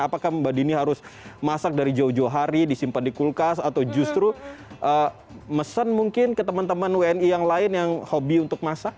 apakah mbak dini harus masak dari jauh jauh hari disimpan di kulkas atau justru mesen mungkin ke teman teman wni yang lain yang hobi untuk masak